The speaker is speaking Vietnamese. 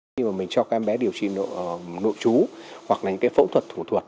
khi mà mình cho các em bé điều trị nội trú hoặc là những phẫu thuật thủ thuật